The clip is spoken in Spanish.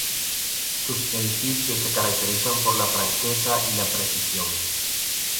Sus edificios se caracterizan por la franqueza y la precisión.